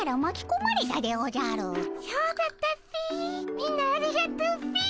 みんなありがとうっピィ。